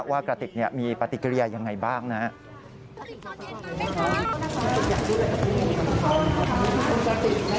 ว่ากระติกเนี่ยมีปฏิกิริยายังไงบ้างนะฮะ